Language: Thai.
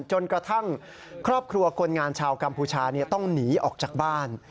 จนกระทั่งครอบครัวคนงานชาวกัมพูชาต้องหนีออกจากบ้าน